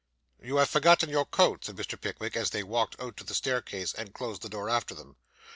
'You have forgotten your coat,' said Mr. Pickwick, as they walked out to the staircase, and closed the door after them.